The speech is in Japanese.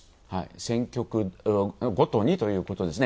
選挙区ごとにということですね。